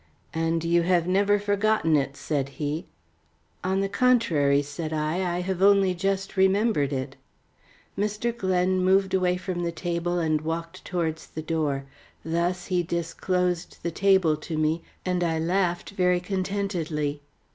"And you have never forgotten it," said he. "On the contrary," said I, "I have only just remembered it." Mr. Glen moved away from the table and walked towards the door. Thus he disclosed the table to me, and I laughed very contentedly.